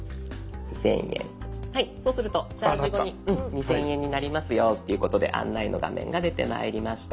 はいそうするとチャージ後に２，０００円になりますよっていうことで案内の画面が出てまいりました。